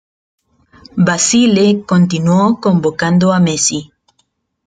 Basile continuó convocando a Messi.